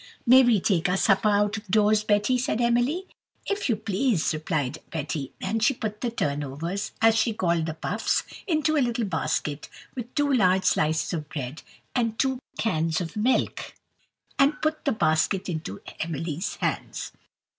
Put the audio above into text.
"May we take our supper out of doors, Betty?" said Emily. "If you please," replied Betty; and she put the turnovers, as she called the puffs, into a little basket, with two large slices of bread and two cans of milk, and put the basket into Emily's hands.